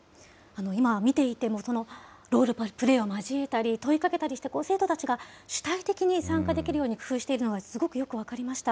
今見ていても、ロールプレイを交えたり、問いかけたりした生徒たちが主体的に参加できるように工夫しているのはすごくよく分かりました。